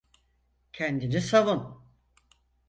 Kendini savun.